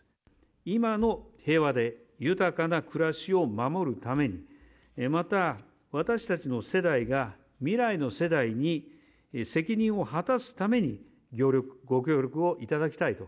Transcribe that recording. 今の平和で豊かな暮らしを守るために、また私たちの世代が未来の世代に責任を果たすために、ご協力をいただきたいと。